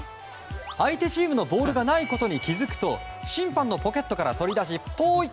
相手チームのボールがないことに気づくと審判のポケットから取り出しポイ！